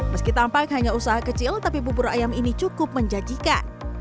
meski tampak hanya usaha kecil tapi bubur ayam ini cukup menjajikan